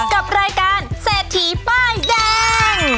กับรายการเศรษฐีป้ายแดง